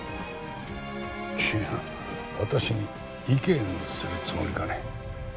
君は私に意見をするつもりかね？